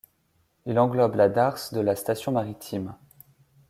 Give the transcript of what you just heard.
Il englobe la darse de la station maritime.